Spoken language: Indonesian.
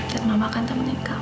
dan mama kan tak menikah